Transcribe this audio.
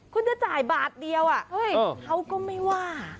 คุณจะจ่ายบาทเดียวเขาก็ไม่ว่า